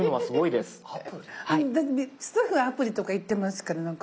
だってスタッフがアプリとか言ってますからなんか。